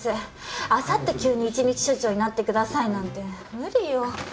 あさって急に１日署長になってくださいなんて無理よ。